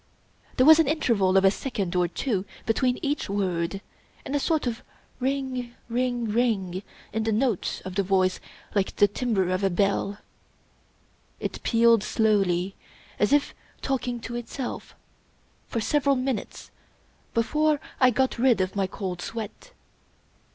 There was an interval of a second or two between each word, and a sort of " ring, ring, ring," in the note of the voice like the timbre of a bell. It pealed slowly, as if talk ing to itself, for several minutes before I got rid of my cold sweat.